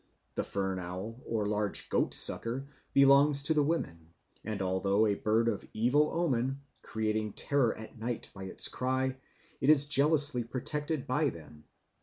The fern owl, or large goatsucker, belongs to the women, and, although a bird of evil omen, creating terror at night by its cry, it is jealously protected by them.